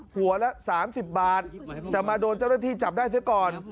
หัวละ๓๐บาทจะมาโดนเจ้าหน้าที่จับได้เสียก่อน